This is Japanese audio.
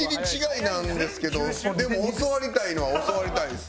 でも教わりたいのは教わりたいです。